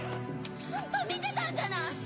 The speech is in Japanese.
・ちゃんと見てたんじゃない！